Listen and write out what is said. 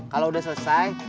kalau udah selesai